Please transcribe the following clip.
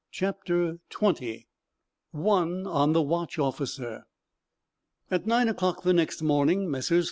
CHAPTER XX "ONE ON" THE WATCH OFFICER At nine o'clock the next morning Messrs.